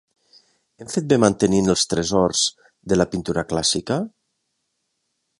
Hem fet bé mantenint els tresors de la pintura clàssica?